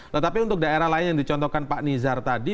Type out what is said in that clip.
tetapi untuk daerah lain yang dicontohkan pak nizar tadi